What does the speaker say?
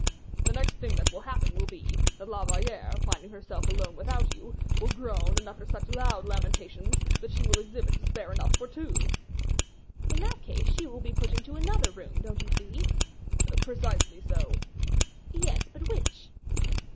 "The next thing that will happen will be, that La Valliere, finding herself alone without you, will groan and utter such loud lamentations, that she will exhibit despair enough for two." "In that case she will be put into another room, don't you see?" "Precisely so." "Yes, but which?"